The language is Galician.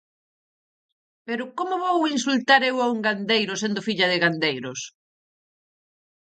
Pero ¡como vou insultar eu a un gandeiro sendo filla de gandeiros!